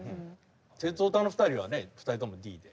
鉄オタの２人はね２人とも「Ｄ」で。